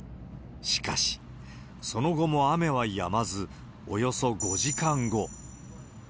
しかし、その後も雨はやまず、およそ５時間後。